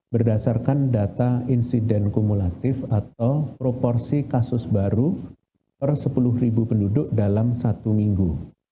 berdasarkan data insiden kumulatif atau proporsi kasus baru per sepuluh penduduk dalam satu minggu